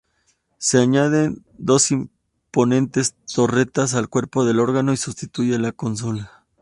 Se añaden dos imponentes torretas al cuerpo del órgano y se sustituye la consola.